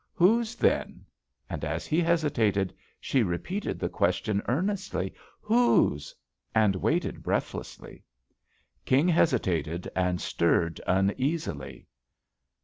"Whose, then?" And as he hesitated, she repeated the question earnestly, "Whose?" and waited breathlessly. King hesitated and stirred uneasily.